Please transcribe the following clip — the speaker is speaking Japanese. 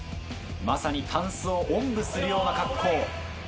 まさにタンスをおんぶするような格好。